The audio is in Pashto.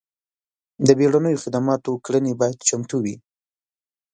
د بیړنیو خدماتو کړنې باید چمتو وي.